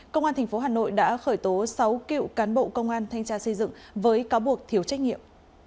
công an tp hà nội đã khởi tố sáu cựu cán bộ công an thanh tra xây dựng với cáo buộc thiếu trách nhiệm